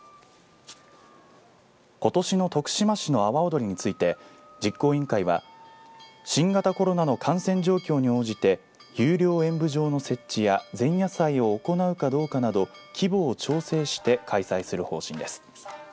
ことしの徳島市の阿波おどりについて実行委員会は新型コロナの感染状況に応じて有料演舞場の設置や前夜祭を行うかどうかなど規模を調整して開催する方針です。